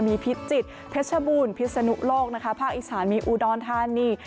มีพิจิตรเพชรบูรณพิศนุโลกนะคะภาคอีสานมีอุดรธานี